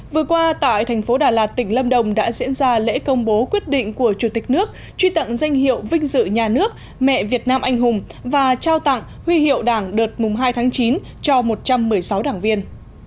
vừa qua tại thành phố đà lạt tỉnh lâm đồng đã diễn ra lễ công bố quyết định của chủ tịch nước truy tặng danh hiệu vinh dự nhà nước mẹ việt nam anh hùng và trao tặng huy hiệu đảng đợt hai tháng chín cho một trăm một mươi sáu đảng viên